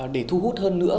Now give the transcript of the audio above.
để thu hút hơn nữa